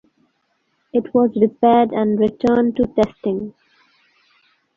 It was repaired and returned to testing.